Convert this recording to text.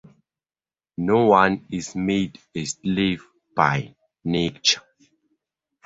No one is made a slave by nature.